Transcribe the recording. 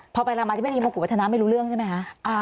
พอไปรามาธิบดีมงกุวัฒนาไม่รู้เรื่องใช่ไหมคะ